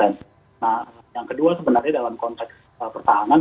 nah yang kedua sebenarnya dalam konteks pertahanan